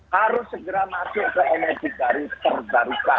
harus segera masuk ke energi dari perbarukan